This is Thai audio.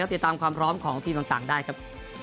ติดตามความพร้อมของทีมต่างได้ครับ